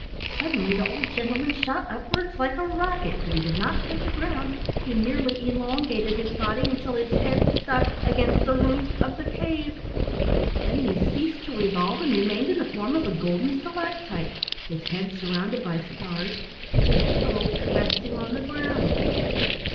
Suddenly the old gentleman shot upwards like a rocket, but he did not quit the ground; he merely elongated his body until his head stuck against the roof of the cave. Then he ceased to revolve, and remained in the form of a golden stalactite his head surrounded by stars and his toe resting on the ground!